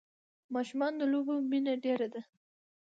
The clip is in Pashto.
د ماشومان د لوبو مینه ډېره ده.